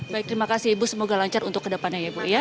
baik terima kasih ibu semoga lancar untuk kedepannya ya bu ya